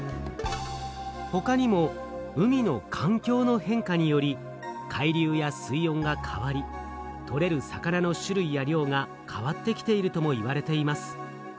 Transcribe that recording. ほかにも「海の環境の変化」により海流や水温が変わりとれる魚の種類や量が変わってきているともいわれています。